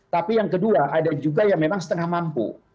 tapi yang kedua ada juga yang memang setengah mampu